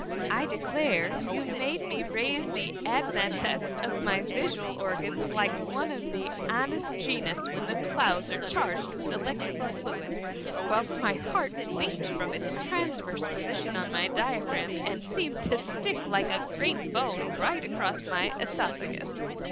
I declare you made me raise the adnatss of my visual organs, like one of the anas genus when the clouds are charged with electric fluid, whilst my heart 166 THE MUMMY. leaped from its transverse position on my diaphragm, and seemed to stick like a great bone right across my oesophagus.